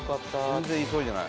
全然急いでない。